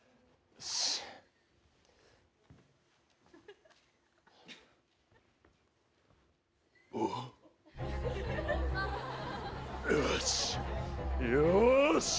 よし、よーし。